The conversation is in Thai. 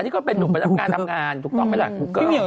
อันนี้ก็เป็นหนุ่มประจำงานถูกต้องไปแหละ